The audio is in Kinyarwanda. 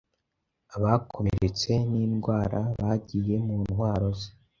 Abakomeretse nindwarabagiye mu ntwaro ze